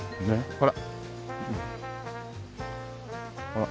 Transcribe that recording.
ほら。